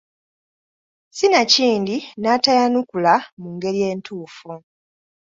Sinakindi n’atayanukula mu ngeri entuufu.